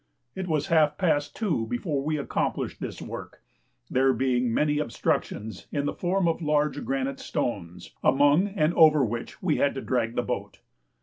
It was half past 2 before we accomplished this work, there being many obstructions in the form of large granite stones, among and over which we had to drag the boat.